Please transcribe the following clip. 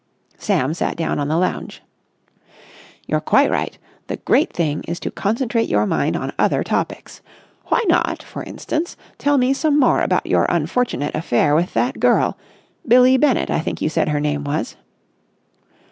Sam sat down on the lounge. "You're quite right. The great thing is to concentrate your mind on other topics. Why not, for instance, tell me some more about your unfortunate affair with that girl—Billie Bennett I think you said her name was."